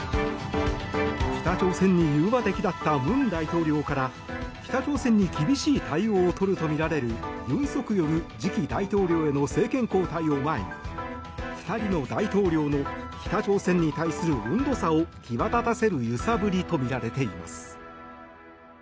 北朝鮮に融和的だった文大統領から北朝鮮に厳しい対応を取るとみられる尹錫悦次期大統領への政権交代を前に２人の大統領の北朝鮮に対する温度差を際立たせる揺さぶりとみられています。